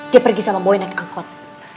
dia pergi sama boy naik angkot